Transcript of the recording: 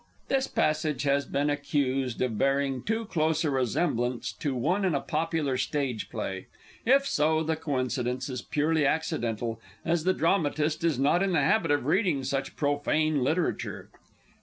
[_This passage has been accused of bearing too close a resemblance to one in a popular Stage Play; if so, the coincidence is purely accidental, as the Dramatist is not in the habit of reading such profane literature.